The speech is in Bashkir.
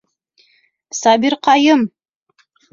Сабирҡайым!